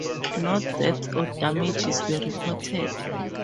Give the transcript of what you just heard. No deaths or damages were reported.